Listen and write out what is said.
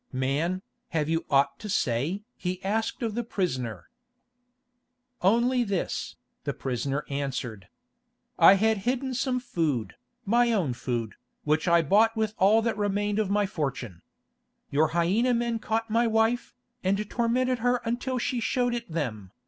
"Man, have you aught to say?" he was asking of the prisoner. "Only this," the prisoner answered. "I had hidden some food, my own food, which I bought with all that remained of my fortune. Your hyæna men caught my wife, and tormented her until she showed it them.